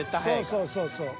［そうそうそうそう。